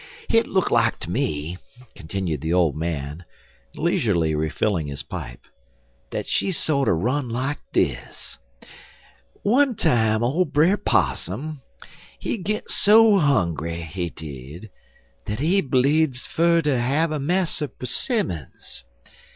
Hit look like ter me," continued the old man, leisurely refilling his pipe, "dat she sorter run like dis: One time ole Brer Possum, he git so hungry, he did, dat he bleedzd fer ter have a mess er 'simmons.